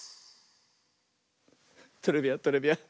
トレビアントレビアン。